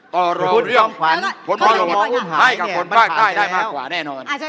ต่อเรื่องขวัญ